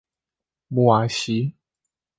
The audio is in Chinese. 穆瓦西。